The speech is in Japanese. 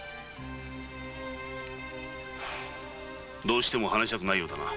どうしても話したくないようだな。